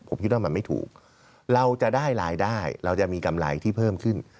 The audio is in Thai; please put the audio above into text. ผมคิดว่ามันไม่ถูกเราจะได้รายได้เราจะมีกำไรที่เพิ่มขึ้น